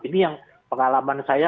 ini yang pengalaman saya